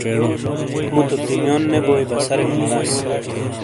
مو تو تیمیون نے بوے بسرک مراس۔